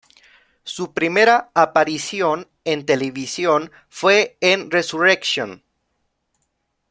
Su primera aparición en televisión fue en Resurrection.